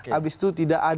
habis itu tidak